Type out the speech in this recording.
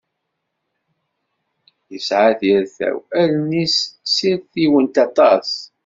Yesɛa tirtaw, allen-is ssirtiwent aṭas.